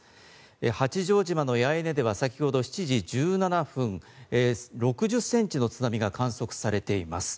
八丈島の八重根では先ほど７時１７分６０センチの津波が観測されています。